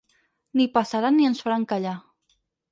Ni passaran ni ens faran callar.